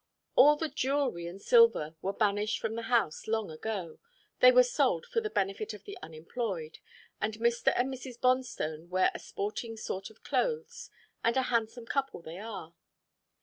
All the jewelry and silver were banished from the house long ago they were sold for the benefit of the unemployed, and Mr. and Mrs. Bonstone wear a sporting sort of clothes, and a handsome couple they are.